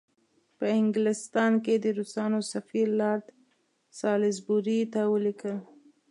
په انګلستان کې د روسانو سفیر لارډ سالیزبوري ته ولیکل.